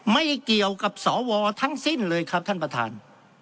ไม่เกี่ยวกับสวทั้งสิ้นเลยครับท่านประธาน